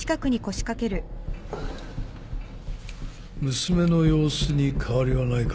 娘の様子に変わりはないか？